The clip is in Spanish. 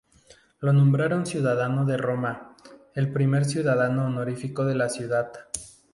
Lo nombraron ciudadano de Roma, el primer ciudadano honorífico de la ciudad.